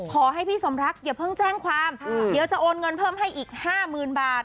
ขอให้พี่สมรักอย่าเพิ่งแจ้งความเดี๋ยวจะโอนเงินเพิ่มให้อีก๕๐๐๐บาท